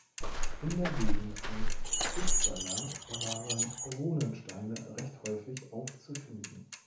In der Gegend von Uppsala waren Runensteine recht häufig aufzufinden.